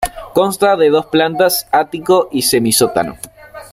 Consta de dos plantas, ático y semisótano.